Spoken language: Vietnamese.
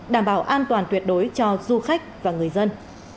đảm bảo an toàn tuyệt đối cho du khách và người dân